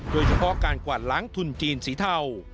โดยเฉพาะการกวาดล้างทุนจีนสีเทา